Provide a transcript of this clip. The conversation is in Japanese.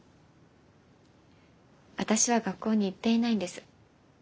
私は学校に行っていないんです。